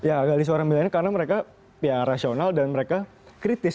ya gali suara milenial ini karena mereka ya rasional dan mereka kritis